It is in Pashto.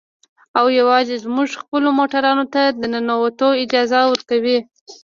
او يوازې زموږ خپلو موټرانو ته د ننوتو اجازه ورکوي.